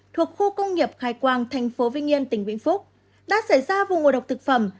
thuộc khu công nghiệp khai quang thành phố vinh yên tỉnh vĩnh phúc đã xảy ra vụ ngộ độc thực phẩm